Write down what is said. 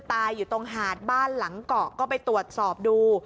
ตายอยู่ตรงหาดบ้านหลังเกาะก็ไปตรวจสอบดู